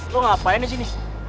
lu ngapain disini